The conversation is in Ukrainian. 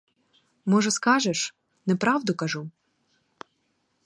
Може, скажеш — неправду кажу?